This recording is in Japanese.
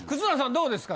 どうですか？